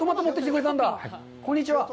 こんにちは。